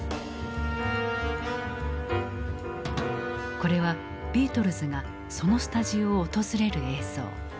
これはビートルズがそのスタジオを訪れる映像。